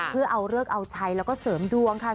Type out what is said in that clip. เพื่อเอาเลิกเอาชัยแล้วก็เสริมดวงค่ะ